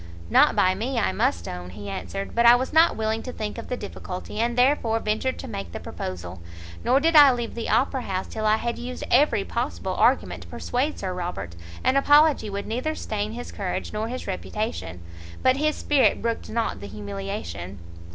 "Not by me, I must own," he answered; "but I was not willing to think of the difficulty, and therefore ventured to make the proposal: nor did I leave the Opera house till I had used every possible argument to persuade Sir Robert an apology would neither stain his courage nor his reputation. But his spirit brooked not the humiliation."